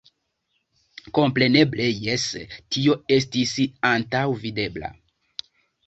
Kompreneble jes, tio estis antaŭvidebla.